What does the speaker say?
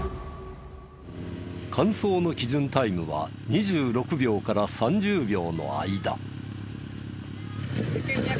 完走の基準タイムは２６秒から３０秒の間。